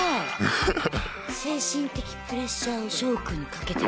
精神的プレッシャーをショウくんにかけてく。